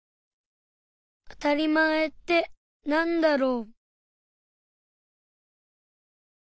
あたりまえってなんだろう？